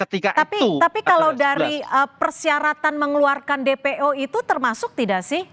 tapi kalau dari persyaratan mengeluarkan dpo itu termasuk tidak sih